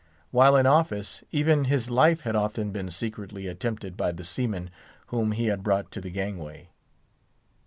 While in office, even, his life had often been secretly attempted by the seamen whom he had brought to the gangway.